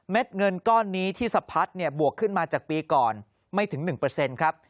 เงินก้อนนี้ที่สะพัดเนี่ยบวกขึ้นมาจากปีก่อนไม่ถึง๑ครับ